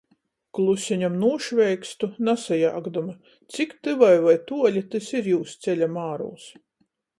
Kluseņom nūšveikstu, nasajāgdama, cik tyvai voi tuoli tys ir jūs ceļa mārūs.